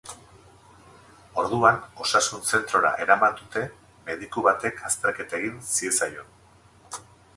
Orduan, osasun zentrora eraman dute, mediku batek azterketa egin ziezaion.